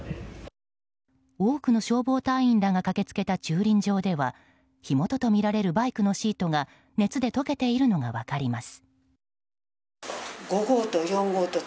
多くの消防隊員らが駆けつけた駐輪場では火元とみられるバイクのシートが熱で溶けているのが分かります。